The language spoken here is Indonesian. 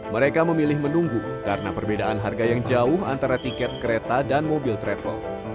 mereka memilih menunggu karena perbedaan harga yang jauh antara tiket kereta dan mobil travel